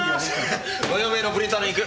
ご用命のプリンターのインク